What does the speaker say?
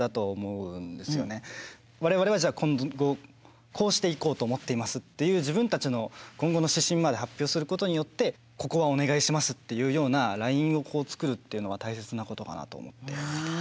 我々はじゃあ今後こうしていこうと思っていますっていう自分たちの今後の指針まで発表することによってここはお願いしますっていうようなラインを作るっていうのは大切なことかなと思って。